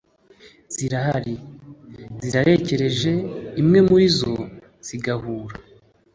zirahari, zirarekereje, imwe murizo zigahura